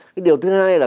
cái điều thứ hai là